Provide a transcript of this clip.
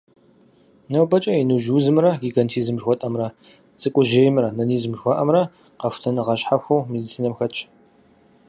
НобэкӀэ «иныжь узымрэ» - гигантизм жыхуэтӀэмрэ, «цӀыкӀужьеймрэ» - нанизм жыхуаӀэмрэ къэхутэныгъэ щхьэхуэу медицинэм хэтщ.